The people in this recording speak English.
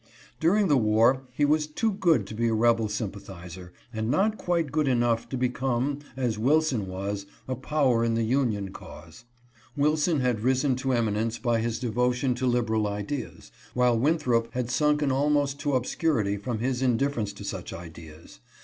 During the war he was too good to be a rebel sympa thizer, and not quite good enough to become as Wilson was — a power in the union cause. Wilson had risen to eminence by his devotion to liberal ideas, while Win throp had sunken almost to obscurity from his indiffer ence to such ideas.